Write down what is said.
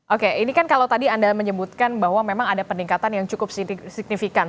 oke ini kan kalau tadi anda menyebutkan bahwa memang ada peningkatan yang cukup signifikan